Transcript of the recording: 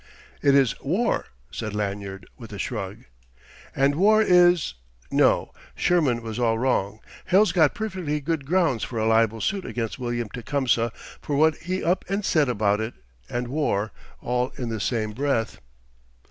"It is war," said Lanyard with a shrug. "And war is ... No: Sherman was all wrong. Hell's got perfectly good grounds for a libel suit against William Tecumseh for what he up and said about it and war, all in the same breath."